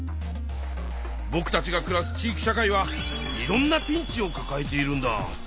ぼくたちがくらす地域社会はいろんなピンチをかかえているんだ。